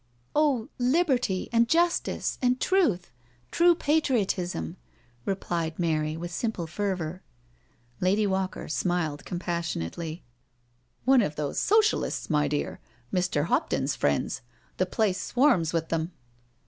" Oh, liberty and justice and truth— true patriotism," replied Mary, with simple fervour. Lady Walker smiled compassionately. " One of these Socialists, my dear— Mr. Hopton's friends — the place swarms with them."